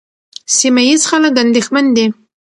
سیمه ییز خلک اندېښمن دي.